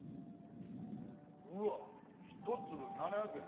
うわっひと粒７００円？